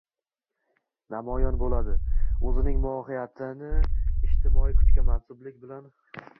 namoyon bo‘ladi va o‘zining mohiyatini ijtimoiy kuchga mansublik bilan